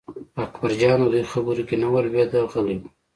اکبرجان د دوی خبرو کې نه ور لوېده غلی و.